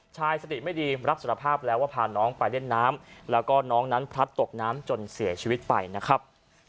ชายสติไม่ดีรับสารภาพแล้วว่าพาน้องไปเล่นน้ำแล้วก็น้องนั้นพลัดตกน้ำจนเสียชีวิตไปนะครับ